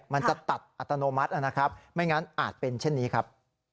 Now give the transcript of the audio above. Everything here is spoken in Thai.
มันจะตัดอัตโนมัตินะครับไม่งั้นอาจเป็นเช่นนี้ครับ